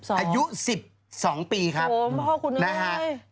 อายุ๑๒ปีครับโอ้โห